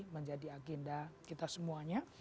menjadi agenda kita semuanya